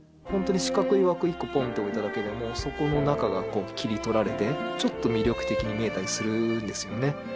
ホントに四角い枠１個ポンって置いただけでもそこの中が切り取られてちょっと魅力的に見えたりするんですよね